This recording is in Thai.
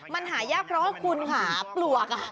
มันหายากเพราะว่าคุณค่ะปลวก